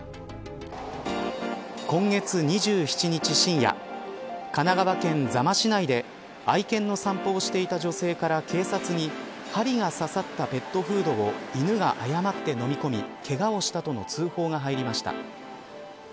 今月２７日、深夜神奈川県座間市内で愛犬の散歩をしていた女性から、警察に針が刺さったペットフードを犬が誤って飲み込みけがをしたとの通報が入りました。